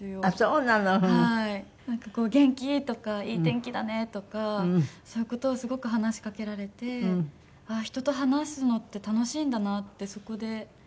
なんかこう「元気？」とか「いい天気だね」とかそういう事をすごく話しかけられて人と話すのって楽しいんだなってそこで。